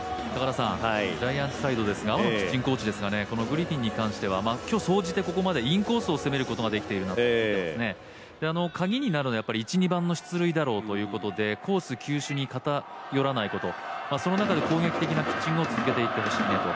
ジャイアンツサイドですが阿波野ピッチングコーチですがこのグリフィンに関しては今日はインコースを攻めてきてます鍵になるのは１、２番の出塁だろうと球種に偏らないこと、その中で攻撃的なピッチングを続けていってほしいねと。